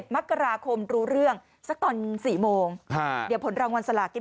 ๑๗มกราคมรู้เรื่อง